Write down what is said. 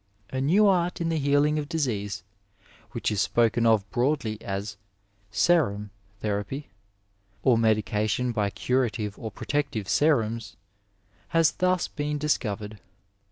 A new art in the healing of disease, which is spoken of broadly as serum therapy, or medication by curative or protective serums, has thus been discovered.